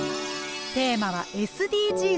テーマは「ＳＤＧｓ」です。